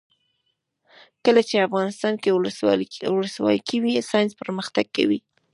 کله چې افغانستان کې ولسواکي وي ساینس پرمختګ کوي.